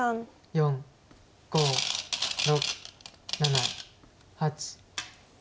４５６７８。